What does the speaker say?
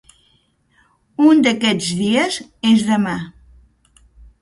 Un d'aquests dies és demà.